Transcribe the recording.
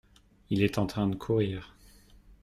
Il est en train de courir.